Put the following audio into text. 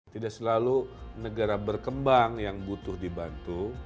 tidak selalu negara berkembang yang butuh dibantu